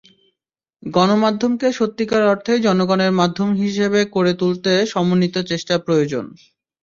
গণমাধ্যমকে সত্যিকার অর্থেই জনগণের মাধ্যম হিসেবে করে তুলতে সমন্বিত চেষ্টা প্রয়োজন।